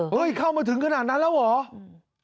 เข้ามาถึงขนาดนั้นแล้วเหรอ